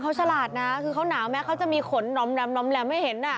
นี่คุณชะหราดนะคุณหนาวแม้เขาจะมีขนคอนโหมนมรัมให้เห็น